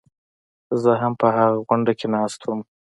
زه هم په هغه غونډه کې ناست وم.